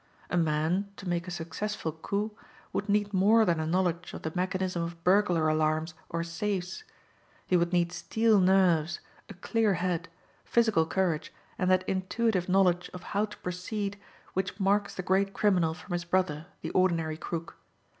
A man, to make a successful coup, would need more than a knowledge of the mechanism of burglar alarms or safes; he would need steel nerves, a clear head, physical courage and that intuitive knowledge of how to proceed which marks the great criminal from his brother, the ordinary crook.